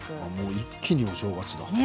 一気にお正月だ。